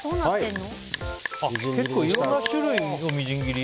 結構いろんな種類のみじん切り？